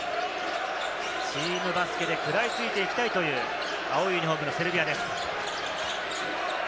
チームバスケで食らいついていきたいという、青いユニホームのセルビアです。